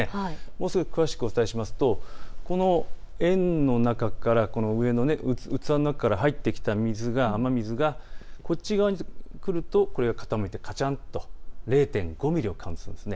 もう少し詳しくお伝えしますとこの煙の中から上の器の中から入ってきた雨水がこっち側に来るとカチャンと０．５ミリをカウントするんです。